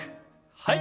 はい。